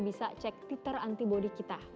bisa cek titer antibody kita